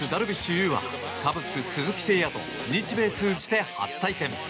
有はカブス、鈴木誠也と日米通じて初対戦。